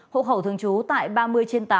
hộ khẩu thường trú tại ba mươi trên tám